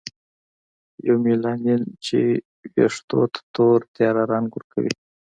یومیلانین چې ویښتو ته تور تیاره رنګ ورکوي.